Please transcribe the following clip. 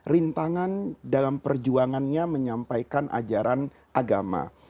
rintangan dalam perjuangannya menyampaikan ajaran agama